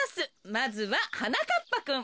まずははなかっぱくん。